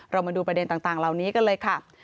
มาดูประเด็นต่างเหล่านี้กันเลยค่ะ